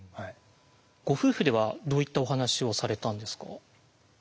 ご夫婦ではどういったお話をされたんですか？